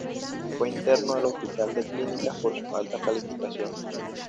Fue interno del Hospital de Clínicas por sus altas calificaciones.